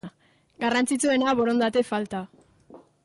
Garrantzitsuena, borondate falta.